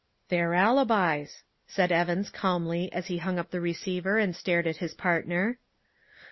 "Their alibis!" said Evans calmly, as he hung up the receiver and stared at his partner.